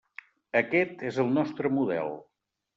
Aquest és el nostre model.